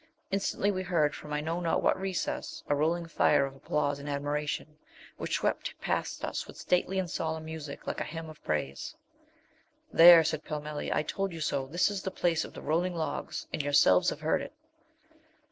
Instantly we heard, from I know not what recess, a rolling fire of applause and admiration, which swept past us with stately and solemn music, like a hymn of praise. 'There,' said Pellmelli, 'I told you so. This is the place of the Rolling of Logs, and yourselves have heard it.'